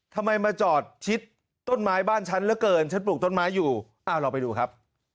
ทำไมมาจอดชิดต้นไม้บ้านฉันเหลือเกินฉันปลูกต้นไม้อยู่อ้าวเราไปดูครับ